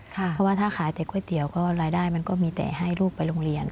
เพราะว่าถ้าขายแต่ก๋วยเตี๋ยวก็รายได้มันก็มีแต่ให้ลูกไปโรงเรียน